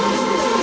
ya gue seneng